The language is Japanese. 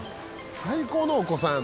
最高のお子さんやな。